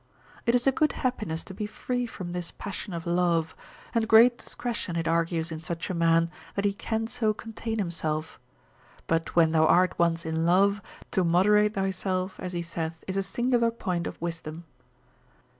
It is a good happiness to be free from this passion of love, and great discretion it argues in such a man that he can so contain himself; but when thou art once in love, to moderate thyself (as he saith) is a singular point of wisdom.